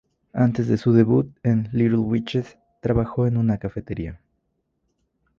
Antes de su debut en "Little Witches", trabajó en una cafetería.